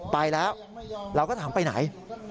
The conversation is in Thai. ไปแล้วเราก็ถามไปไหน